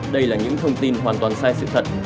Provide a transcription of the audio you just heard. đây là những thông tin hoàn toàn sai sự thật